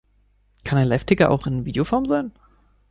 Kann ein Liveticker auch in Videoform sein?